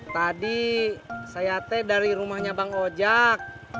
tadi saya teh dari rumahnya bang ojak